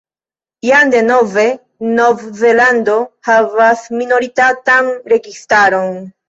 Jam denove Nov-Zelando havas minoritatan registaron.